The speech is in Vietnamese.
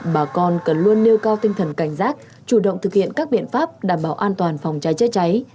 bà con cần luôn nêu cao tinh thần cảnh giác chủ động thực hiện các biện pháp đảm bảo an toàn phòng cháy chữa cháy